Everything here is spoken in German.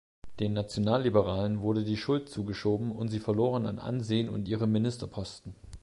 Den Nationalliberalen wurde die Schuld zugeschoben und sie verloren an Ansehen und ihre Ministerposten.